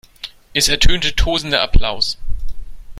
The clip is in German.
Es ertönte tosender Applaus.